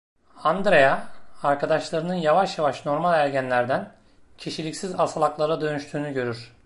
Andrea, arkadaşlarının yavaş yavaş normal ergenlerden, kişiliksiz asalaklara dönüştüğünü görür.